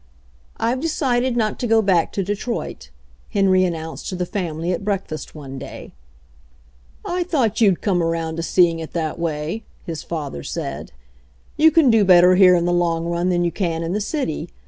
"I've decided not to go back to Detroit," Henry announced to the family at breakfast one day. "I thought you'd come around to seeing it that way," his father said. "You can do better here in the long run than you can in the city.